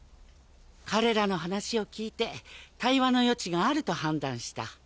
彼らの話を聞いて対話の余地があると判断した。